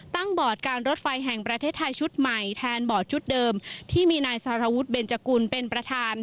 บอร์ดการรถไฟแห่งประเทศไทยชุดใหม่แทนบอร์ดชุดเดิมที่มีนายสารวุฒิเบนจกุลเป็นประธาน